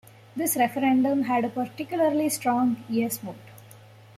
This referendum had a particularly strong "Yes" vote.